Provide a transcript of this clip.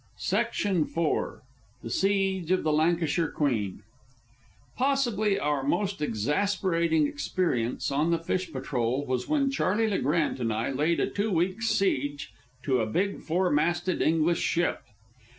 That's all." IV THE SIEGE OF THE "LANCASHIRE QUEEN" Possibly our most exasperating experience on the fish patrol was when Charley Le Grant and I laid a two weeks' siege to a big four masted English ship.